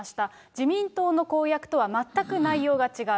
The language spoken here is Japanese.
自民党の公約とは全く内容が違う。